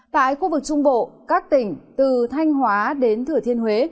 tại khu vực trung bộ các tỉnh từ thanh hóa đến thừa thiên huế